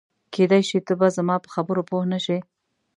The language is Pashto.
کېدای شي ته به زما په خبرو پوه نه شې.